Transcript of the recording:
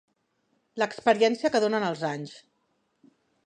L'experiència que donen els anys.